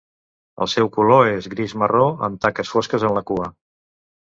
El seu color és gris marró, amb taques fosques en la cua.